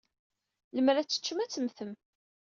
Lemmer ad t-teččem, ad temmtem.